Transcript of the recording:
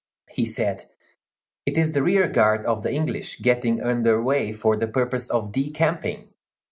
He said: "It is the rear guard of the English getting under way for the purpose of decamping.